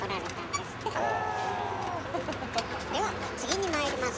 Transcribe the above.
では次にまいります！